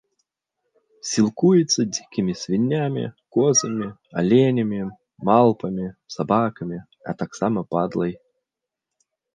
Сілкуецца дзікімі свіннямі, козамі, аленямі малпамі, сабакамі, а таксама падлай.